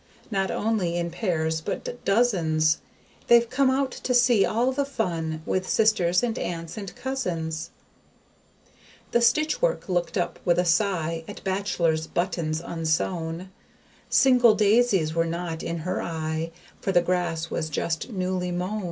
Not only in pairs but dozens; They've come out to see all the fun, With sisters and aunts and cousins. The STITCHWORK looked up with a sigh At BATCHELOR'S BUTTONS unsewn: Single Daisies were not in her eye, For the grass was just newly mown.